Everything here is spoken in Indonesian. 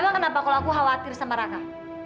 emang kenapa kalau aku khawatir sama raka